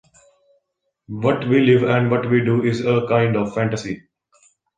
What we live and what we do is kind of a fantasy.